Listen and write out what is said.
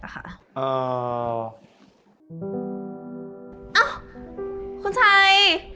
เอ้าคุณชัย